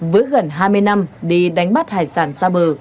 với gần hai mươi năm đi đánh bắt hải sản xa bờ